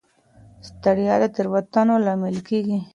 ستړیا د تېروتنو لامل کېږي.